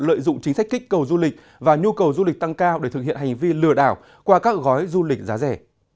lợi dụng chính sách kích cầu du lịch và nhu cầu du lịch tăng cao để thực hiện hành vi lừa đảo qua các gói du lịch giá rẻ